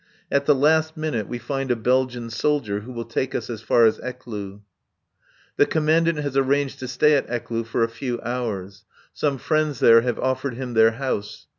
At the last minute we find a Belgian soldier who will take us as far as Ecloo. The Commandant has arranged to stay at Ecloo for a few hours. Some friends there have offered him their house.